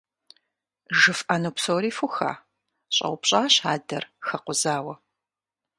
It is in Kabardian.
— ЖыфӀэну псори фуха? — щӀэупщӀащ адэр, хэкъузауэ.